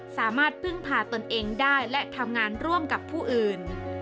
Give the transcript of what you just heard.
สามารถพึ่งพาตนเองได้และทำงานร่วมกับผู้อื่น